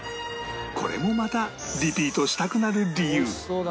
これもまたリピートしたくなる理由